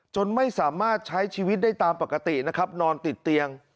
จนไม่สามารถใช้ชีวิตได้ตามปกตินะครับนอนติดเตียง